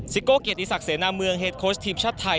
โก้เกียรติศักดิเสนาเมืองเฮดโค้ชทีมชาติไทย